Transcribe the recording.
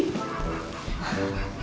ya takut sama api